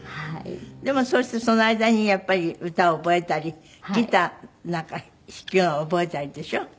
でもそしてその間にやっぱり歌を覚えたりギターなんか弾くのを覚えたりでしょ？